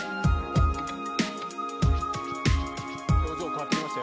表情変わってきました。